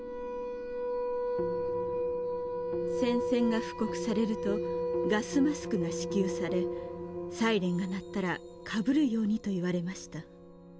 「宣戦が布告されるとガスマスクが支給されサイレンが鳴ったらかぶるようにと言われました。